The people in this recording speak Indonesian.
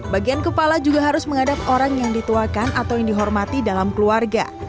bagian kepala juga harus menghadap orang yang dituakan atau yang dihormati dalam keluarga